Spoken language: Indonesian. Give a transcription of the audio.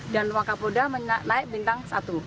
dan wakapolda naik bintang satu